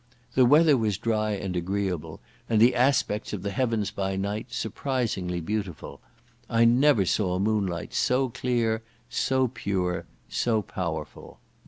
The weather was dry and agreeable, and the aspects of the heavens by night surprisingly beautiful. I never saw moonlight so clear, so pure, so powerful.